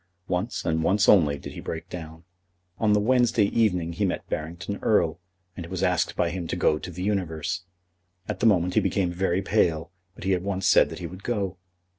Once, and once only, did he break down. On the Wednesday evening he met Barrington Erle, and was asked by him to go to The Universe. At the moment he became very pale, but he at once said that he would go.